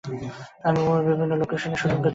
আমি মুম্বাইয়ের বিভিন্ন লোকেশনে শুটিং করতে চেয়েছিলাম।